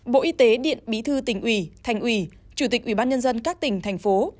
bộ y tế điện bí thư tỉnh ủy thành ủy chủ tịch ủy ban nhân dân các tỉnh thành phố